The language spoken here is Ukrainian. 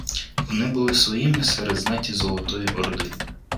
Вони були своїми серед знаті Золотої Орди